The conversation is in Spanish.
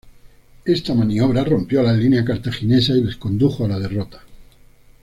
Esta maniobra rompió la línea cartaginesa y les condujo a la derrota.